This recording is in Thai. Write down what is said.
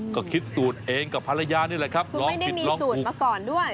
ก็คิดสูตรเองกับภรรยานี่แหละครับลองที่มีสูตรมาก่อนด้วย